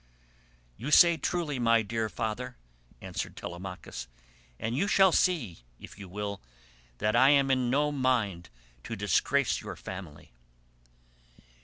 "You say truly, my dear father," answered Telemachus, "and you shall see, if you will, that I am in no mind to disgrace your family."